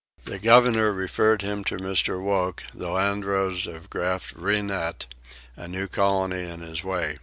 The governor referred him to Mr. Wocke, the Landros of Graaf Rienet, a new colony in his way.